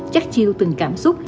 chắc chiêu từng cảm xúc